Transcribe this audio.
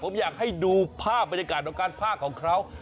ผมอยากให้ดูภาพบรรยากาศของการพากของเขา